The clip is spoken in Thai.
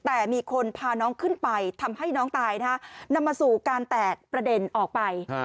แต่มีคนพาน้องขึ้นไปทำให้น้องตายนะฮะนำมาสู่การแตกประเด็นออกไป